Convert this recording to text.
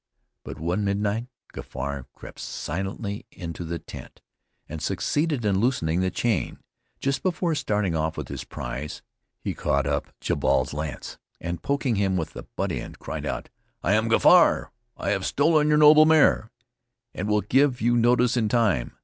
But one midnight, Gafar crept silently into the tent, and succeeded in loosening the chain. Just before starting off with his prize, he caught up Jabal's lance, and poking him with the butt end, cried out: "I am Gafar! I have stolen your noble mare, and will give you notice in time."